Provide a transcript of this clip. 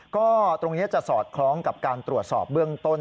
ก็ตรงนี้จะสอดคล้องกับการตรวจสอบเบื้องต้น